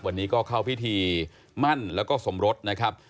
วันนี้ก็เข้าพิธีมั่นแล้วก็สมรสนะครับ